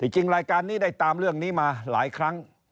จริงรายการนี้ได้ตามเรื่องนี้มาหลายครั้ง